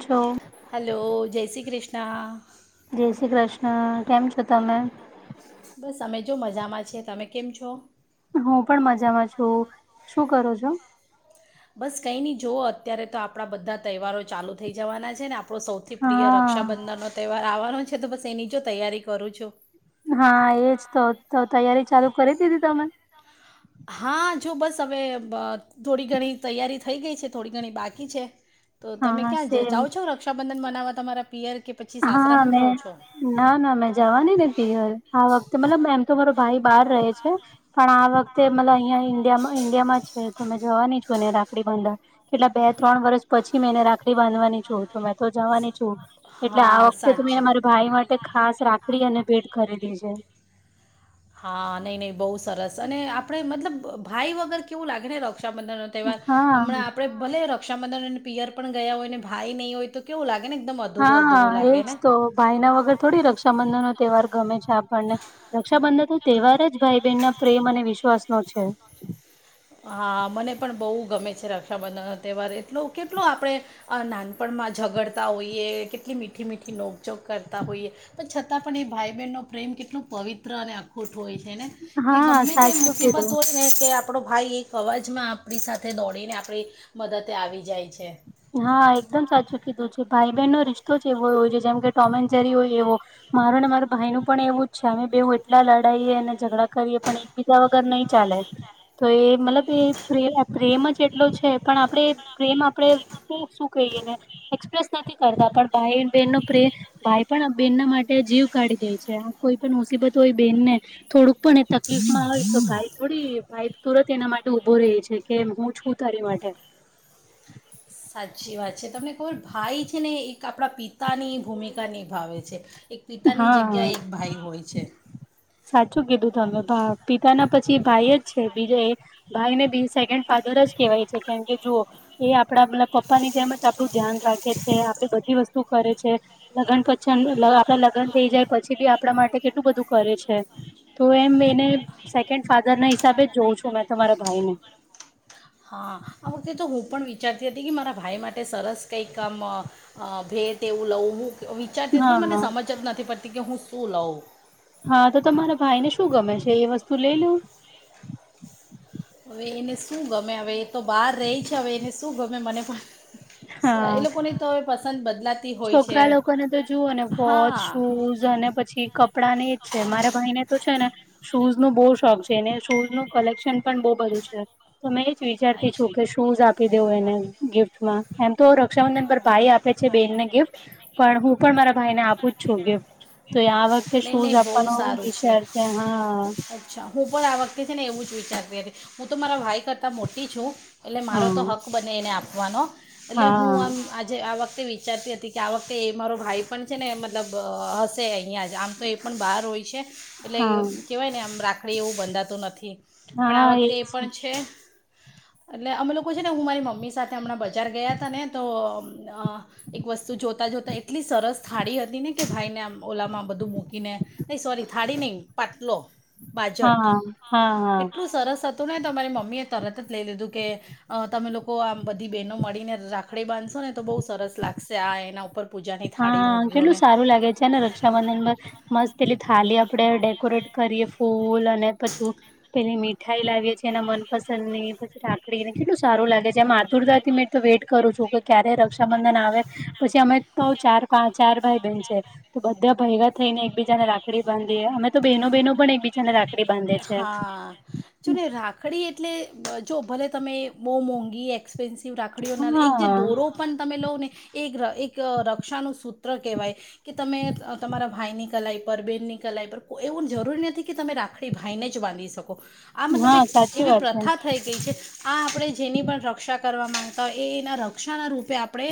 છો હલો જય શ્રી કૃષ્ણ. જય શ્રી કૃષ્ણ કેમ છો તમે? બસ અમે જો મજામાં છીએ તમે કેમ છો? હું પણ મજામાં છું શું કરો છો. બસ કઈ નહી જોઓ અત્યારે તો આપણા બધા તહેવારો ચાલુ થઈ જવાના છે ને આપણો સૌથી પ્રિય હા રક્ષાબંધનનો તહેવાર આવવાનો છે તો બસ એની જ તૈયારી કરું છું. હા એજ તો તો તૈયારી ચાલુ કરી દીધી તમે. હા જો બસ હવે બ થોડી ઘણી તૈયારી થઈ ગઈ છે થોડી ઘણી બાકી છે. તો તમે હા ક્યાં જ સેમ જાઓ છો રક્ષાબંધન મનાવવા તમારા પિયર કે પછી હા સાસરામાં જ મે રહો છો. ના ના મેં જવાની ને પીહર આ વખતે મતલબ એમ તો મારો ભાઈ બાર રહે છે. પણ આ વખતે મતલબ અહિયા ઇન્ડિયા ઈન્ડિયા માં જ છે તમે જવાની છું એ ને રાખડી બાંધવા કેટલા બે ત્રણ વર્ષ પછી મેં એને રાખડી બાંધવાની છું તો મેં તો જવાની છું. એટલે આ હા વખતે તો સાચે મેં મારી ભાઈ માટે ખાસ રાખડી અને ભેટ ખરીદી છે. હા નહી નહી બહુ સરસ અને આપણે મતલબ ભાઈ વગર કેવું લાગે ને રક્ષાબંધન તહેવાર હા હમણાં આપણે ભલે રક્ષાબંધન અને પિયર પણ ગયા હોય ને ભાઈ નહીં હોય તો કેવું લાગે ને એકદમ અધરું અધુરું લાગે ને. ભાઈ ના વગર થોડી રક્ષાબંધન નો તહેવાર ગમે છે આપણને રક્ષાબંધન તો તહેવાર જ. ભાઈ બહેન ના પ્રેમ અને વિશ્વાસ નો છે. હા મને પણ બહુ ગમે છે રક્ષાબંધનનો તહેવાર એટલો કેટલો આપણે અ નાનપણમાં ઝગડતા હોઈએ, કેટલી મીઠી મીઠી નોકજોગ કરતા હોઈએ. પણ છતાં પણએ ભાઈ બહેનનો પ્રેમ કેટલો પવિત્ર અને અ ખુટ હોય છેને, કે હા ગમે તે સાચું કીધું. મુસીબત હોયને કે આપડો ભાઈ એક અવાજમાં આપણી સાથે દોડીને આપણી મદદે આવી જાય છે. હા એકદમ સાચું કીધું છે, ભાઈ બહેનનો રિશ્તો છે એવો હોય છે, જેમ કે ટોમેન જેરી હોય એવો. મારું ને મારા ભાઈ નું પણ એવું જ છે, અમે બેવ એટલા લડાઈએ એ ઝઘડા કરીએ પણ એકબીજા વગર નહી ચાલે. તો એ મતલબ એ પ્રેવ પ્રેમ જ એટલો છે, પણ આપડે પ્રેમ આપડે શું કહીએને, એક્સપ્રેસ નથી કરતા, પણ ભાઈ બહેનનો પ્રે ભાઈ પણ આ બેનના માટે જીવ કાઢી દે છે, કોઈ પણ મુસીબત હોય બેનને થોડુંક પણ એ તકલીફમાં હોય, તો ભાઈ થોડી ભાઈ તુરત એના માટે ઊભો રેહ છે, કે હું છું તારી માટે. સાચી વાત છે, તમને ખબર ભાઈ છે ને એક આપણા પિતાની ભૂમિકા નિભાવે છે. એક પિતાની હા જગ્યા એક ભાઈ હોય છે. સાચું કીધું તમે, ભા પિતાના પછી ભાઈ જ છે, બીજા એ ભાઈ ને બી સેકન્ડ ફાધર જ કેહેવાય છે, કેમ કે જુઓ એ આપડા મતલબ પપ્પાની જેમ જ આપડું ધ્યાન રાખે છે, આપડી બધી વસ્તુ કરે છે. લગ્ન પછી એન્ડુ, આપડા લગન થઈ જાય પછી બી આપણા માટે કેટલું બધું કરે છે. છે, તો એમ એને સેકન્ડ ફાધર ના હિસાબે જ જોઉં છું મેંતો મારા ભાઈ ને. હા, આ વખતે તો હું પણ વિચારતી હતી કે, મારા ભાઈ માટે સરસ કંઈક કામ અ ભેટ એવું લઉં, હું વિચારતી હતી, હા પણ હા મને સમજ જ નથી પડતી, કે હું શું લઉં. હા તો તમારા ભાઈને શું ગમે છે? એ વસ્તુ લઈ લઉ. હવે એને શું ગમે, હવે એ તો બહાર રહી છે, હવે એને શું ગમે મને પણ સ હા એ લોકોની તો હવે પસંદ બદલા છોકરા લોકોને તો જુવઓ ને વોચ, હા શૂઝ અને પછી ક પડાને એજ છે, મારા ભાઈને તો છે ને શૂઝ નુ બહુ શોખ છે, એને શૂઝ નું કલેક્શન પણ બહુ બધું છે. તો મેં એ જ વિચારતી છું, અચ્છા કે શૂઝ આપી દેવ એને ગિફ્ટમાં, એમતો રક્ષાબંધન પર ભાઈ આપે. છે બેનને ગિફ્ટ. પણ હું પણ મારા ભાઈને આપુંજ છું ગિફ્ટ, તો આ વખતે નહીં નહીં શૂઝ બહુ આપવાનો સારું વિચાર છે, હા અચ્છા, હું પણ આ વખતે છેને એવુંજ વિચારતી હતી, હું તો મારા ભાઈ કરતા મોટી છું. એટલે હા મારો તો હક્ક બને એને આપવાનો, એટલે હા હું આમ આજે આ વખતે વિ ચારતી હતી કે, આ વખતે એ મારો ભાઈ પણ છે ને એમ મતલબ અ હશે અહીંયાજ, આમ તો એ પણ બહાર હોય છે. એટલે હા કહેવાય ને આમ રાખડી એવું બંધાતું નથી, હા પણ આ હા વખતે એ એજ પણ છે. એટલે અમે લોકો છેને, હું મારી મમ્મી સાથે હમણાં બજાર ગયા હતાને, તો અમ એક વસ્તુ જોતા જોતા એટલી સરસ થાળી હત નીનીકે ભાઈને આમ ઓલામાં બધું મૂકીને, નહી સોરી થાળી નહી પાટલો. હા બાજટ, હા હા એટલું સરસ હતુંને, તો મારી મમ્મી એ તરતજ લઈ લીધું, કે અ તમે લોકો આમ બધી બેહેનો મળીને રાખડી બાંધશો ને તો બહુ સરસ લાગશે આ એના ઉપ હા, કેટલું સારું લાગે છેને, ર ક્ષાબંધન પર, મસ્ત પેલી થાળી આપડે ડેકોરેટ કરીએ ફૂલ અને પછું પેલી મીઠાઈ લાવીએ છીએ એના મનપસંદની, પછી રાાકડીને કેટલું સારું લાગે છે. જેમ આતુરતાથી મે તો વેઇટ કરું છું, કે ક્યારે રક્ષાબંધન આવે પછી અમે સૌ ચાર પા, ચાર ભાઈ બહેન છે. તો બધા ભેગા થઈને એકબીજાને રાખડી બાંધીએ, અમે તો બહેનો બહેનો પણ એકબીજાને રાખડી બાંધે છે. હા, જો ને રાખડી એટલે, જો ભલે તમે બહુ મોંઘી એક્સ પેનસિવ રાખડીઓ ના લે એક જે હા દોરો પણ તમે લોને, એક એક રક્ષાનું સૂત્ર કહેવાય. કે તમે અ તમારા ભાઈ ની કલાઈ પર, બેન ની કલાઈ પર કો એવું જરૂરી નથી કે, તમે રાખ આપડી ભાઈને જ બાંધી શકો આ મતલબ હા એક સાચી એવી વાત છે પ્રથા થઈ ગઈ છે આ આપણે જેની પણ રક્ષા કરવા માંગતા હોય એ એના રક્ષાના રૂપે આપણે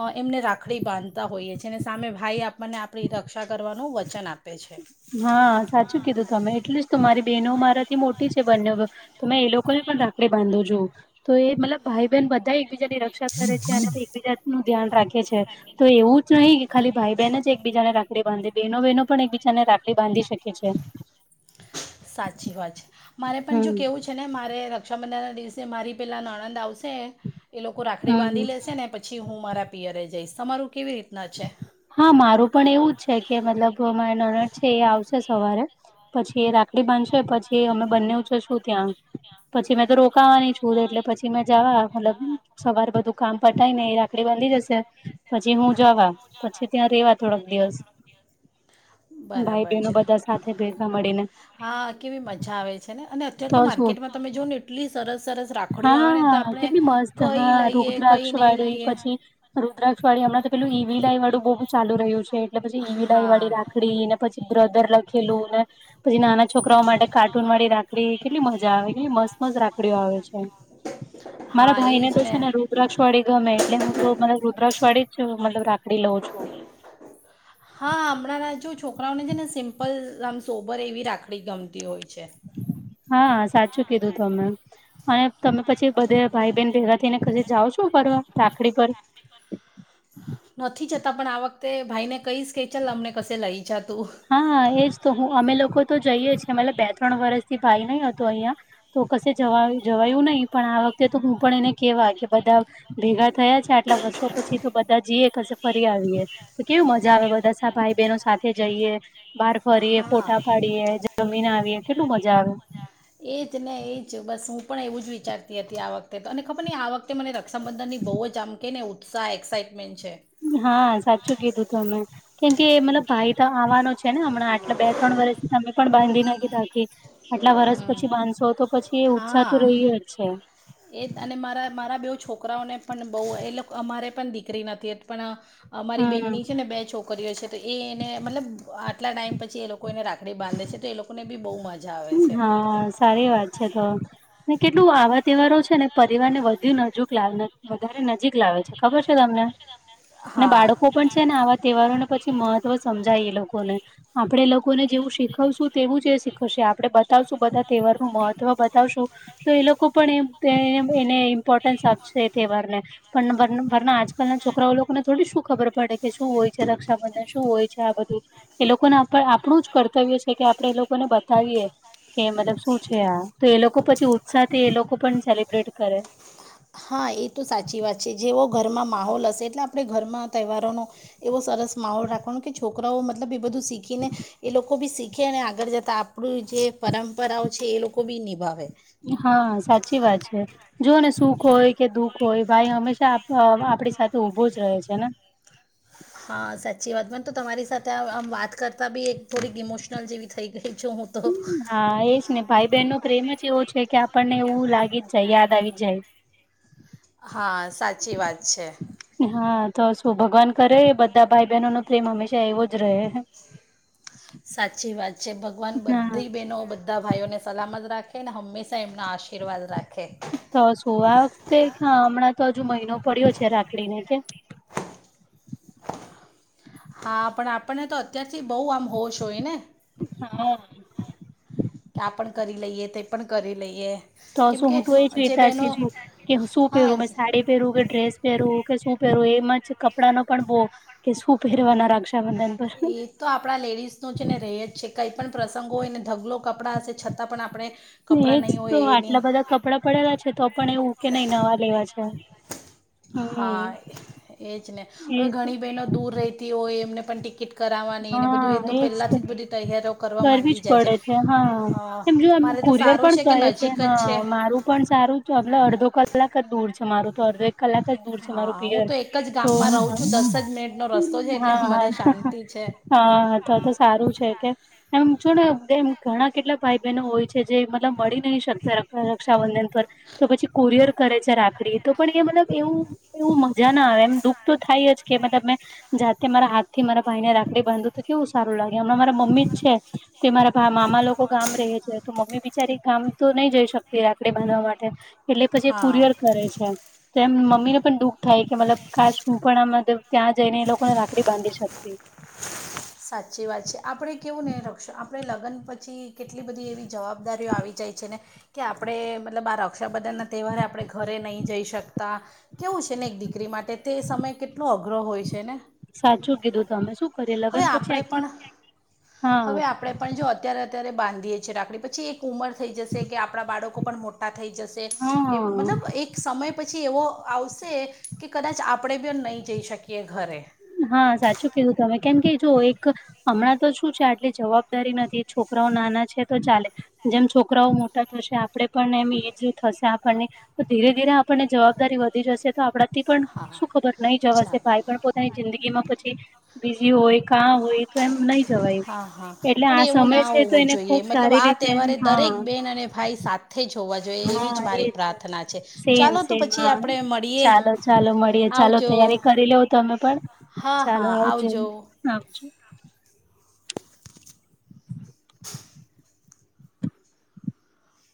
અ એમને રાખડી બાંધતા હોઈએ છે અને સામે ભાઈ આપણને આપણી રક્ષા કરવાનું વચન આપે છે. હા સાચું કીધું તમે એટલ જ તો મારી બહેનો મારાં મોટી છે બને ત એ લોકો ને પણ રાકડી બાંધો છુ તો એ મતલબ ભાઈ બહેન બધા એકબીજાની રક્ષા કરે છે અને એકબીજાનું ધ્યાન રાખે છે. તો એવું જ નહીં કે ખાલી ભાઈ બહેન જ એકબીજાને રાખડી બાંધે, બહેનો બહેનો પણ એકબીજાને રાખ ડી બાંધી શકે છે. સાચી વાત છે, મારે પણ જો હમ કેવું છે ને મારે રક્ષાબંધનના દિવસે મારી પેલા નણંદ આવશે એ લોકો રાખડી હમ બાંધી લેશે ને પ પછી હું મારા પિયરે જઈશ તમારું કેવી રીતનાં છે? હા મારું પણ એવું જ છે કે મતલબ મારે નણંદ છે એ આવશે સવારે પછી એ રાખ ડી બાધશે પછી અમે બંનેવ જશું ત્યાં પછી મેં તો રોકાવાની છું તો એટલે પછી છી મેં જવા મતલબ સવારે બધું કામ પતાયને એ રાખડી બાંધી જશે પછી હું જ પછી ત્યાં રેવા થોડાક દિવસ ભાઈ બરાબર છે બહેનો બધાં સાથે ભે ગા મળીને. હા કેવી મજા આવે છે ને અને અત્યારે તો માર્કેટમાં તમે જોને એ એટલી સરસ સરસ રાખડીઓ આવે ને તો હા આપણે કેટલી મસ્ત કઈ લઈએ કઈ નહીં લઈએ. રુદ્રાક્ષવાળી હમણાં તો પેલું ઈવીલ આઈવાળું બહુ ચાલુ રહ્યું છે એટલે પછી ઈવીલ હા આઈવાળી રાખ ળીને પછી બ્રદર લખેલું ને પછી નાનાં છોકરાઓ માટે કાર્ટૂનવાળી રાખડી કેટલી મજા આવે, કેટલી મસ્ત મસ્ત રાખડીઓ આવે છે. મારા હા ભાઈ એજ ને તો છે ને રુદ્રાક્ષવાળી ગમે એટલે હું તો મતલબ રુદ્રાક્ષવાળી જ મતલબ રાખડી લઉં છું. હા હમણાંના જો છોકરાઓને છે ને સિમ્પલ આમ સોબર એવી રાખ ડી ગમતી હોય છે. હા સાચું કીધું તમે. અને તમે પછી બધે ભાઈ બહેન ભેગાં થઈને કશે જાઓ છો ફરવા રાખડી પર? નથી જતાં પણ આ વખતે ભાઈને કહીશ કે ચાલ અમને કશે લઈ જા તું. હા એજ તો હું અમે લોકો તો જઈએ છીએ મતલબ બે ત્રણ વર્ષથી ભાઈ નહીં હતો અહીંયાં. તો કશે જવા જવાયું નહીં પણ આ વખતે તો હું પણ એને કેવા કે બધાં ભેગા થયાં છે આટલા વર્ષો પછી તો બધાં જીએ કશે ફરી આવીએ તો કેવી મજા આવે બધાં. ભાઈ બહેનો સાથે. જઈએ બહાર ફરીએ, ફોટા હા પાડીએ, જમીને આવીએ કેટલું મજા આવે! એજ ને એજ બસ હું પણ એવું જ વિચારતી હતી આ વખતે તો અને ખબર નઈ આ વખત મને રક્ષાબંધનની બવ જ આમ કે ને ઉત્સાહ એક્સાઈટમેન્ટ છે. હા સાચું કીધું હતું કેમ કે મતલબ ભાઈ તો આવવાનો છે ને હમણાં આટલા બે ત્રણ વર્ષથી તમે પણ બાંધી નથી રાખી. આટલા વર્ષ પછી બાધશો તો પછી એ ઉત્સાહ તો રહયો જ છે. એજ અને મારા મારા બેવ છોકરાઓને પણ બહુ એ લોક અમારે પણ દીકરી નથી પણ અમારી બેનની હમ છે ને બે છોકરીઓ છે તો એ એને મતલબ આટલા ટાઈમ પછી એ લોકો એને રાખડી બાંધે છે તો એ લોકોને બી બઉ મ હા સારી વાત છે તો. ને કેટલું આવા તહેવારો છે ને પરિવાર ને વધુ નજુક લાવે વધારે નજીક લાવે. નજીક લાવે છે ખબર છે તમને? ને બાળકો પણ છે ને આવા તહેવારોને પછી મહત્વ સમજાય એ લોકોને. આપણે લોકોને જેવું શીખવશું તેવું જ એ શીખવશે આ બતાવશું બધા તહેવારનું મહત્વ બતાવશું તો એ લોકો પણ એમ તે એને ઈમ્પોર્ટન્સ આપશે એ તહેવારને. પણ વર વરના આજકાલના છોકરાઓ લોકોને થોડી શું ખબર પડે. કે શું હોય છે રક્ષાબંધન શું હોય છે આ બધું? એ લોકોના ઉપર આપણું જ કર્તવ્ય છે કે આપડે એ લોકોને બતાવીએ કે મતલબ શું છે આ તો એ લોકો પછી ઉત્સાહ થી એ લોકો પણ સેલિબ્રેટ કરે. હા એ તો સાચી વાત છે જેવો ઘરમાં માહોલ હશે એટલે આપણે ઘરમાં તહેવારોનો એવો સરસ માહોલ રાખવાનો કે છોકરાઓ મતલબ એ બધું શીખીને એ લોકો બી શીખે અને આગળ જતા આપણું જે પરંપરાઓ છે એ લોકો બી નિભાવે. હા સાચી વાત છે જો ને સુખ હોય કે દુઃખ કોઈ ભાઈ હંમેશા અ આપણી સાથે ઊભો જ રહે છે ને. હા સાચી વાત મને તો તમારી સાથે આમ વાત કરતા બી એક થોડીક ઇમોશનલ જેવી થઈ ગઈ છું હું. તો હા એજ ને ભાઈ બહેન નો પ્રેમ જ એવો છે કે આપણને એવું લાગી જ જાય યાદ આવી જાય. હા સાચી વાત છે. હા તો શું ભગવાન કરે બધા ભાઈ બહેનો નો પ્રેમ હંમેશા એવો જ રહે. સાચી વાત છે ભગવાન હા બધી બહેનો બધા ભાઈઓને સલામત રાખે અને હંમેશા એમના આશીર્વાદ રાખે. તો શું આ વખતે હમણાં તો હજુ મહિનો પડ્યો છે રાખડીને કે હા પણ આપણને તો અત્યારથી બહ આમ હોશ હોય ને [unintelligible] કે આ પણ કરી લઈએ તે પણ કરી લઈએ તો શું કેમકે હું તો એ જ જે બહેનો વિતારતી છું કે શું હા પહેરું મેં સાડી પહેરવું કે ડ્રેસ પહેરવું કે શું પહેરવું એમ જ કપડા નો પણ બો કે શું પહેરવાના રક્ષા એ એક તો આપણા લેડીઝ નો છે ને રે જ છે કઈ પણ પ્રસંગો હોયને ઢગલો કપડાં હશે છતાં પણ આપણે એજ કપડાં નહીં તો હોય એની આટલા બધા કપડાં પડેલા છે તો પણ એવું કે નહી નવા લેવા છે. હમ હા એજ ને હવે એજ ઘણી બહેનો દૂર રેતી હોય એમને પણ ટિકિટ કરાવવાની એને બધું એ હા તો એજ પહેલાથી જ બધી તૈયારીઓ કરવા કરવી માંડી જ જાય છે પડે હા હ એમ જો એમ મારે તો કુરિયર સારું પણ છે કે કરે નજીક જ છે. હા મારું પણ સારું તો અડધો કલાક જ દૂર છે મારું તો અડધો એક કલાક જ દૂર છે મારું હા હું પિયર તો એક જ તો ગામમાં રહું છું દસ જ મિનિટનો રસ્તો છે હ હા એટલે હા મને શાંતિ છે હા તો તો સારું છે કે એમ છો ને એમ ઘણા કેટલા ભાઈ બહેનો હોય છે જે મતલબ મળી નહી શકતા રક્ષાબંધન પર તો પછી કુરિયર કરે છે રાખડી તો પણ એ મતલબ એવું એવું મજા ના આવે એમ દુઃખ તો થાય જ કે મતલબ મેં જાતે મારા હાથ થી મારા ભાઈને રાખ ડી બાંધુ તો કેવું સારું લાગે હમણાં મારા મમ્મી જ છે તે મારા ભા મામા લોકો ગામ રે છે તો મમ્મી બી ચારી ગામ તો નહી જઈ શકતી રાખડી બાંધવા માટે એટલે પછી હા કુરિયર કરે છે. તેમ મમ્મીને પણ દુઃખ થાય કે મતલબ કાસ હું પણ આમાં ત્યાં જઈને એ લોકોને રાખડી બાંધી શકતી [inaudible] સાચી વાત છે આપણે કેવું નહીં રક્ષ આપણે લગ્ન પછી કેટલી બધી એવી જવાબદારીઓ આવી જાય છે ને કે આપણે મતલબ આ રક્ષાબંધનના તહેવારે આપણે ઘરે નહીં જઈ શકતા. કેવું છે ને એક દીકરી માટે તે સમય કેટલો અઘરો હોય છે ને. સાચું કીધું તો તમે શું કરીએ હવે લગ્ન પછી આપણે આખી પણ હા હવે આપણે પણ જો અત્યારે અત્યારે બાંધીએ છીએ રાખડી પછી એક ઉંમર થઈ જશે કે આપણા બાળકો પણ મોા ટા થઈ જશે એ મતલબ હા એક સમય પછી એવો આવશે કે કદાચ આપણે બી નહી જઈ શકીએ ઘરે. હા સાચું કીધું તમે કેમ કે જો એક હમણાં તો શું છે આટલી જવાબદારી નથી છોકરાઓ નાના છે તો ચાલે જેમ છોકરાઓ મોટા થશે આપડે પણ એમ એજ થશે આપણને તો ધીરે ધીરે આપણને જવાબદારી વધી જશે તો આપણાથી પણ હા શું ખબર નહી ચાલો જવાશે ભાઈ પણ પો તે જિંદગીમાં પછી બીઝી હોય કાં હોય તો એમ નહી જવાય. હા હા એટલે પણ આ એવું સમય ના છે તો હોવું એને જોઈએ ખુબ મતલબ સારી આ રીતે તહેવારે હા દરેક બેન અને ભાઈ સા સાથેથે જોવા જોઈએ એવી જ હા મારી એ છે પ્રાર્થના છે સેમ ચાલો તો સેમ પછી હા આપણે મળીએ ચાલો ચાલો મળીએ ચાલો આવજો તૈયારી કરી લેવ તમે પણ હા ચાલો હા આવજો આપજો.